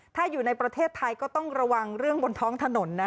ถ้าอยู่ในประเทศไทยก็ต้องระวังเรื่องบนท้องถนนนะ